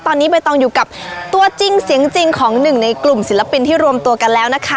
ตอนนี้ใบตองอยู่กับตัวจริงเสียงจริงของหนึ่งในกลุ่มศิลปินที่รวมตัวกันแล้วนะคะ